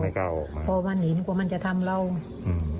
คือเราไม่กล้าออกมาพอวันนี้ก็มันจะทำเราอืม